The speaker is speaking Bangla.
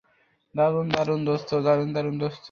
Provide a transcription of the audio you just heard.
দারুণ, দারুণ, দোস্ত।